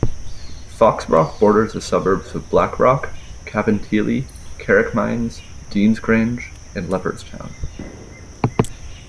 Foxrock borders the suburbs of Blackrock, Cabinteely, Carrickmines, Deansgrange and Leopardstown.